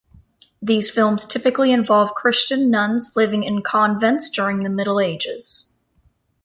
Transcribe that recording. These films typically involve Christian nuns living in convents during the Middle Ages.